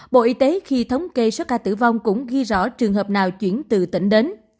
bộ y tế khi thống kê số ca tử vong cũng ghi rõ trường hợp nào chuyển từ tỉnh đến